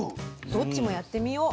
どっちもやってみよう。